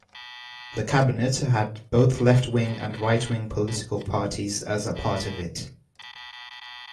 The cabinet had both left-wing and right-wing political parties as a part of it.